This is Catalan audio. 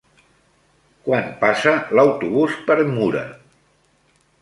Quan passa l'autobús per Mura?